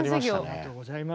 ありがとうございます。